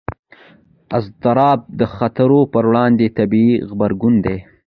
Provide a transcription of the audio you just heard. اضطراب د خطر پر وړاندې طبیعي غبرګون دی.